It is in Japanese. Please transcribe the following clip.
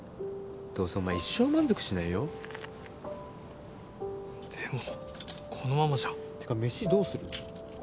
どうせお前一生満足しないよでもこのままじゃてか飯どうする？